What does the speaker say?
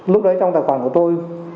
lúc đấy trong tài khoản của tôi